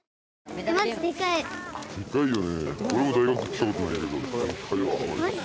でかいよね。